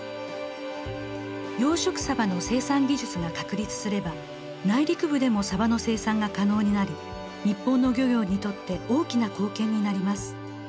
養殖サバの生産技術が確立すれば内陸部でもサバの生産が可能になり日本の漁業にとって大きな貢献になります。